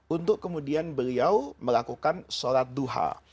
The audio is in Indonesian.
untuk kemudian beliau melakukan sholat duha